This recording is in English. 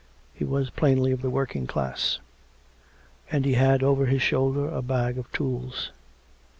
He was plainly of the working class; and he had over his shoulder a bag of tools.